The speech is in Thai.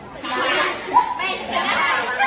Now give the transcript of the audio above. สัญญา